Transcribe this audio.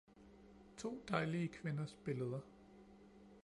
To dejlige kvinders billeder.